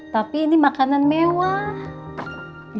tapi ini makanan mewah